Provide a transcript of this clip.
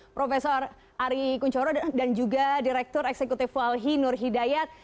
prof ari kunchoro dan juga direktur eksekutif walhi nur hidayat